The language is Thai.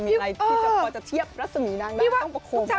มีอะไรที่จะเทียบรัศนีรักนั้นต้องประโคมเข้าไป